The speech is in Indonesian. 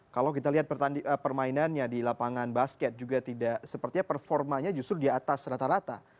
kalau kita lihat permainannya di lapangan basket juga tidak sepertinya performanya justru di atas rata rata